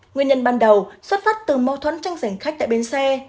nguyên nhân ban đầu xuất phát từ mâu thuẫn tranh giành khách tại bến xe